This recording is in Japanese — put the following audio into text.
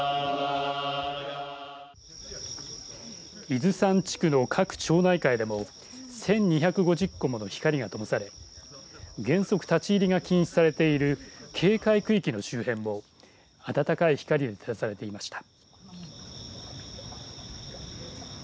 伊豆山地区の各町内会でも１２５０個もの光がともされ原則、立ち入りが禁止されている警戒区域の周辺も温かい光で照らされていました。